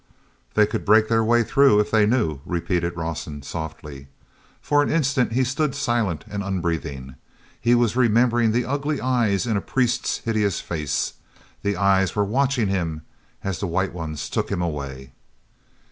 "They could break their way through if they knew!" repeated Rawson softly. For an instant he stood silent and unbreathing; he was remembering the ugly eyes in a priest's hideous face. The eyes were watching him as the White Ones took him away.